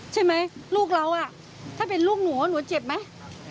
ถ้าเป็นลูกหนูอาหารเหมือนเสร็จไหม